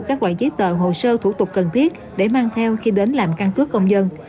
các loại giấy tờ hồ sơ thủ tục cần thiết để mang theo khi đến làm căn cước công dân